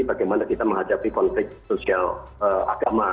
bagaimana kita menghadapi konflik sosial agama